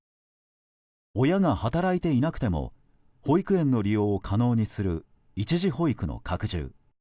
親が働いていなくても保育園の利用を可能にする一時保育の拡充。